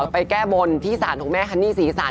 แก้บนที่ศาลของแม่ฮันนี่ศรีสาร